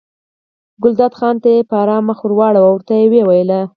ګلداد خان ته یې په ارامه مخ واړاوه او ورته ویې ویل.